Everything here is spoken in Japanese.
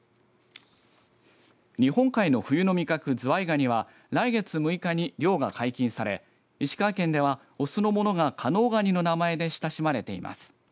日本海の冬の味覚ズワイガニは来月６日に漁が解禁され石川県ではオスのものが加能ガニの名前で親しまれています。